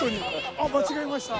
「あっ間違えました！」